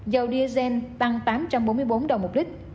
dầu diesel tăng tám trăm bốn mươi bốn đồng một lít